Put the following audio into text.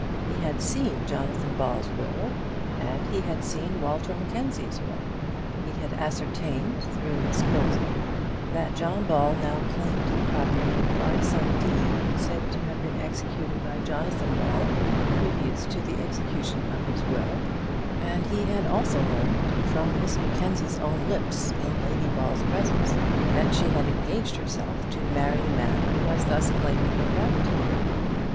He had seen Jonathan Ball's will, and he had seen Walter Mackenzie's will. He had ascertained, through Miss Colza, that John Ball now claimed the property by some deed said to have been executed by Jonathan Ball previous to the execution of his will; and he had also learned, from Miss Mackenzie's own lips, in Lady Ball's presence, that she had engaged herself to marry the man who was thus claiming her property.